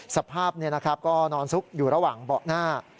สภาพก็นอนซุกอยู่ระหว่างเบาะหน้า